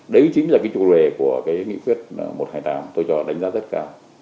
đấy chính là cái chủ đề của cái nghị quyết một trăm hai mươi tám tôi cho đánh giá rất cao